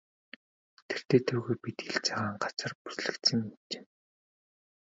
Тэртэй тэргүй бид ил цагаан газар бүслэгдсэн юм чинь.